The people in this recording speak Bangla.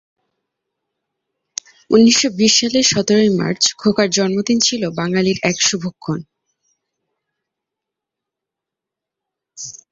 তাকে বিচারের দিন সকালে নিয়োগ করা হয়েছিল।